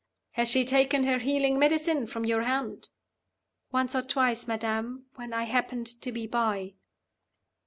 'Has she taken her healing medicine from your hand.' 'Once or twice, madam, when I happened to be by.